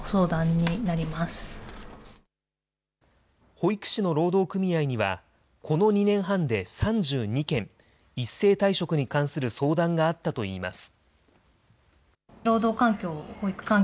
保育士の労働組合には、この２年半で３２件、一斉退職に関する相談があったといいます。